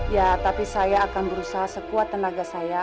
ya tapi saya akan berusaha sekuat tenaga saya